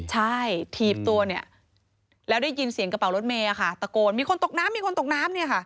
ใช่ถีบตัวแล้วได้ยินเสียงกระเป๋ารถเมล์ตะโกนมีคนตกน้ำนี่ค่ะ